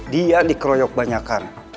dia dikeroyok banyakan